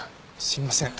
すいません。